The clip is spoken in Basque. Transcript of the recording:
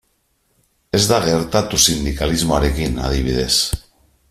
Ez da gertatu sindikalismoarekin, adibidez.